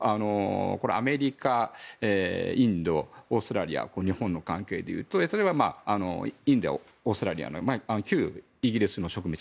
アメリカ、インドオーストラリア日本の関係でいうとインドやオーストラリアなどの旧イギリスの植民地。